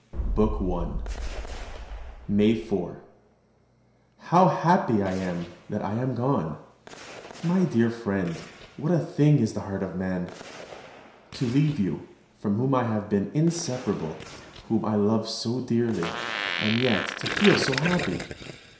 BOOK I MAY 4. How happy I am that I am gone! My dear friend, what a thing is the heart of man! To leave you, from whom I have been inseparable, whom I love so dearly, and yet to feel happy!